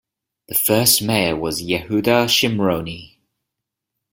The first mayor was Yehuda Shimroni.